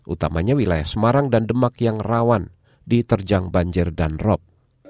utamanya wilayah semarang dan demak yang rawan di terjang banjir dan rob